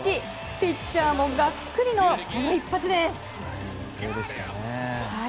ピッチャーもがっくりのこの一発です。